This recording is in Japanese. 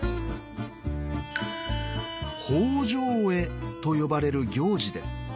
「放生会」と呼ばれる行事です。